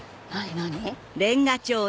何？